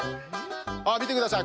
あっみてください